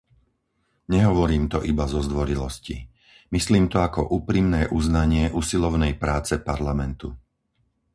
Nehovorím to iba zo zdvorilosti. Myslím to ako úprimné uznanie usilovnej práce Parlamentu.